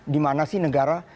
di mana sih negara